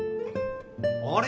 あれ？